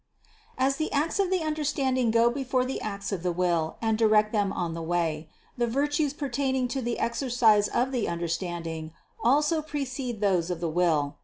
As the acts of the understanding go before the acts of the will and direct them on the way, the virtues pertaining to the exercise of the understanding also pre cede those of the will.